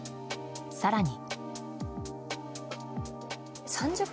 更に。